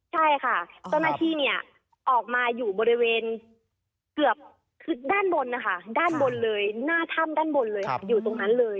ใช่ค่ะเจ้าหน้าที่เนี่ยออกมาอยู่บริเวณเกือบคือด้านบนนะคะด้านบนเลยหน้าถ้ำด้านบนเลยค่ะอยู่ตรงนั้นเลย